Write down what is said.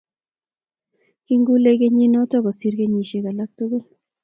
king'ulei kenyinoto kosir kenyisiek alak tugul